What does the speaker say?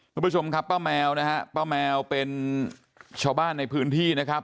ทุกผู้ชมครับป้าแมวนะฮะป้าแมวเป็นชาวบ้านในพื้นที่นะครับ